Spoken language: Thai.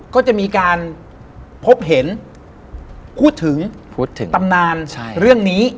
ก็จะมีการพบเห็นพูดถึงตำนานเรื่องนี้